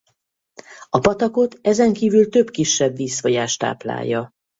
A patakot ezen kívül több kisebb vízfolyás táplálja.